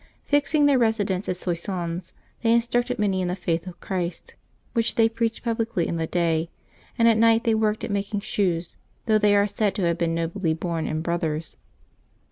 Fixing their residence at Soissons, they in structed many in the Faith of Christ, which they preached publicly in the day, and at night they worked at making shoes, though they are said to have been nobly born, and brothers.